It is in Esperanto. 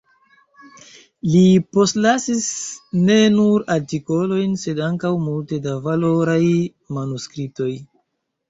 Li postlasis ne nur artikolojn, sed ankaŭ multe da valoraj manuskriptoj.